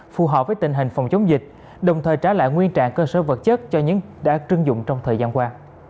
phù hợp với tình hình phòng chống dịch đồng thời trả lại nguyên trạng cơ sở vật chất cho những đã trưng dụng trong thời gian qua